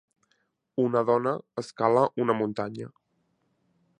Una dona escala una muntanya.